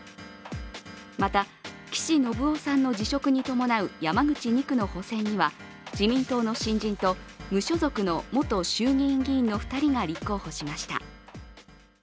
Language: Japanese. また、岸信夫さんの辞職に伴う山口２区の補選には自民党の新人と、無所属の元衆議院議員の２人が立候補しました。